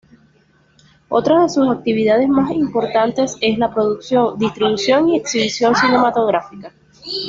Otras de sus actividades más importantes es la producción, distribución y exhibición cinematográfica.